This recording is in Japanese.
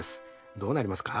どうなりますか？